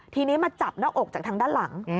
ทีนี้มาจับหน้าอกจากทางด้านหลัง